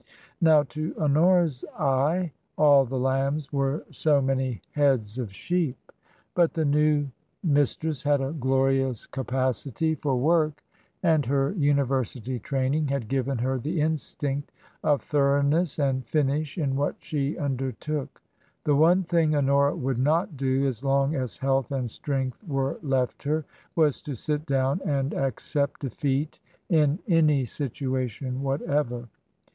Now, to Honora's eye all the lambs were so many heads of sheep. But the new mistress had a glorious capacity for .^ 72 TRANSITION. work, and her University training had given her the instinct of thoroughness and finish in what she under took. The one thing Honora would not do as long as health and strength were left her, was to sit down and accept defeat in any situation whatever.